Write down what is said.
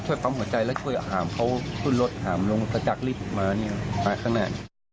ช่วยปั๊มหัวใจแล้วช่วยอาหารเขาขึ้นรถหามลงจากลิฟต์มานี่ไปข้างหน้า